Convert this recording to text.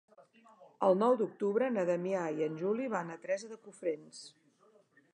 El nou d'octubre na Damià i en Juli van a Teresa de Cofrents.